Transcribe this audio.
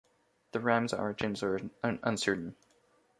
The rhyme's origins are uncertain.